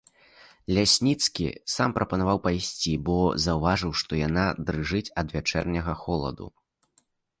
Лясніцкі сам прапанаваў пайсці, бо заўважыў, што яна дрыжыць ад вячэрняга холаду.